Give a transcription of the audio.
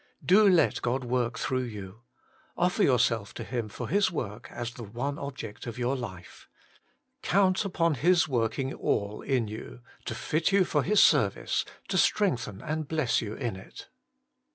Do let God work through you. Offer yourself to Him for His work as the one object of your life. Count upon His working all in you, to fit you for His service, to strengthen and bless you in it.